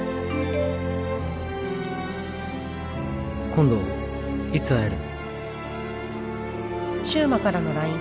「今度いつ会える？」。